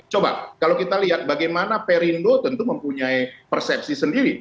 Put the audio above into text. coba kalau kita lihat bagaimana perindo tentu mempunyai persepsi sendiri